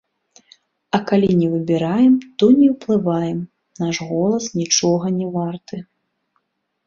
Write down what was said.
А калі не выбіраем, то і не ўплываем, наш голас нічога не варты.